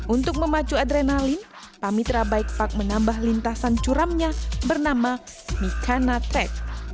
untuk memacu adrenalin pamitra bike park menambah lintasan curamnya bernama mikana tet